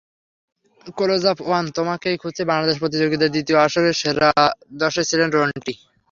Closeup one তোমাকেই খুঁজছে বাংলাদেশ প্রতিযোগিতার দ্বিতীয় আসরের সেরা দশে ছিলেন রন্টি।